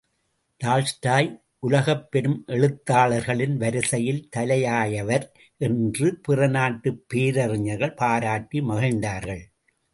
Tolstoy உலகப் பெரும் எழுத்தாளர்களின் வரிசையில் தலையாயவர் என்று பிற நாட்டுப் பேரறிஞர்கள் பாராட்டி மகிழ்ந்தார்கள்.